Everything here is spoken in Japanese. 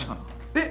えっ！